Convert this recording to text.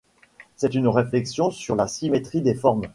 C'est une réflexion sur la symétrie des formes.